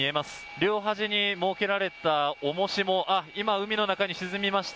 両端に設けられた重しも今、海の中に沈みました。